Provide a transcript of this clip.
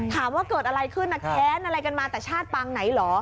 ถามว่าเกิดอะไรขึ้นนะแค้นอะไรกันมาแต่ชาติปางไหนเหรอ